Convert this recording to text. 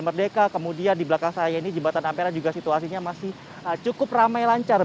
merdeka kemudian di belakang saya ini jembatan ampera juga situasinya masih cukup ramai lancar